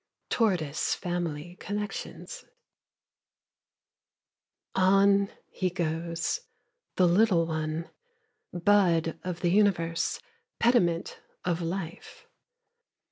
TORTOISE FAMILY CONNECTIONS On he goes, the little one, Bud of the universe, Pediment of life.